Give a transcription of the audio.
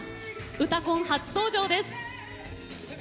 「うたコン」初登場です。